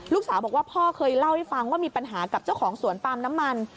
ลูกสาวบอกว่าพ่อเคยเล่าให้ฟังว่ามีปัญหากับเจ้าของสวนปาล์มน้ำมัน